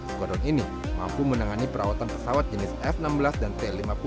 skuadron ini mampu menangani perawatan pesawat jenis f enam belas dan t lima puluh